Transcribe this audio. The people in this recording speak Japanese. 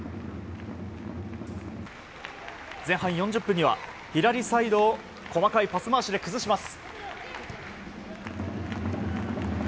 前半４０分には左サイドを細かいパス回しで崩します。